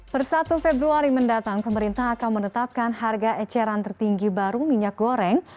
per satu februari mendatang pemerintah akan menetapkan harga eceran tertinggi baru minyak goreng